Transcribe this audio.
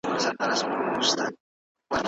نو زده کوونکي املا ښه لیکي.